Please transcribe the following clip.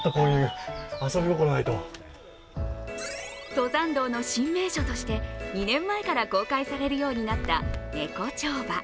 登山道の新名所として２年前から公開されるようになった猫丁場。